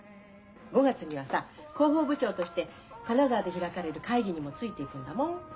５月にはさ広報部長として金沢で開かれる会議にもついていくんだもん。